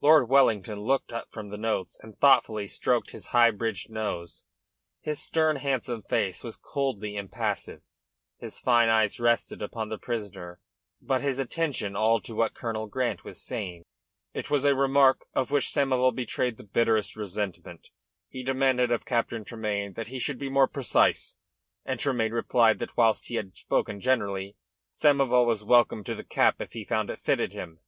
Lord Wellington looked up from the notes and thoughtfully stroked his high bridged nose. His stern, handsome face was coldly impassive, his fine eyes resting upon the prisoner, but his attention all to what Colonel Grant was saying. "It was a remark of which Samoval betrayed the bitterest resentment. He demanded of Captain Tremayne that he should be more precise, and Tremayne replied that, whilst he had spoken generally, Samoval was welcome to the cap if he found it fitted him.